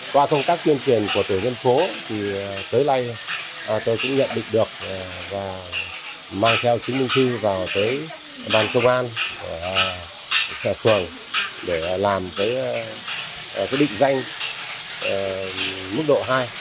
qua công tác tuyên truyền của tổ dân phố tới nay tôi cũng nhận định được và mang theo chính minh thư vào đoàn công an xe phường để làm định danh mức độ hai